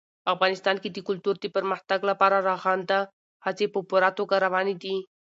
افغانستان کې د کلتور د پرمختګ لپاره رغنده هڅې په پوره توګه روانې دي.